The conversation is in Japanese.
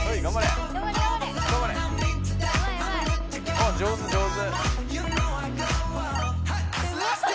おっ上手上手。